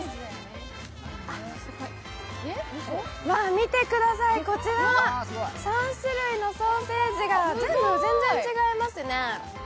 見てください、こちら３種類のソーセージが全部、全然違いますね。